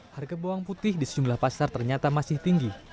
harga bawang putih di sejumlah pasar ternyata masih tinggi